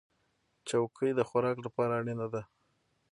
چوکۍ د خوراک لپاره اړینه ده.